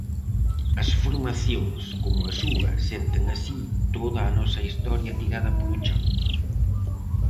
As formacións como a súa senten así "toda a nosa historia tirada polo chan".